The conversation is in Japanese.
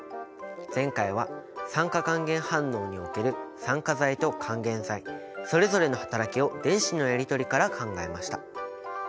前回は酸化還元反応における酸化剤と還元剤それぞれの働きを電子のやり取りから考えました。